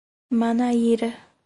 Manaíra